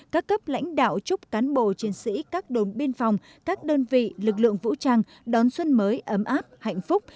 các cấp lãnh đạo chúc cán bộ chiến sĩ các đồn biên phòng các đơn vị lực lượng vũ trang đón xuân mới ấm áp hạnh phúc